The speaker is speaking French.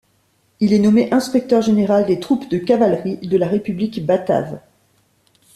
Il est nommé Inspecteur général des troupes de cavalerie de la République batave.